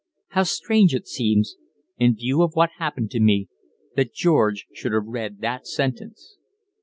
How strange it seems, in view of what happened to me, that George should have read that sentence.